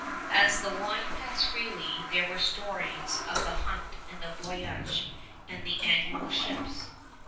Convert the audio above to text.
As the wine passed freely, there were stories of the hunt and the voyage and the annual ships.